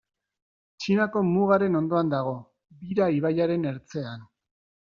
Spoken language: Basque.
Txinako mugaren ondoan dago, Bira ibaiaren ertzean.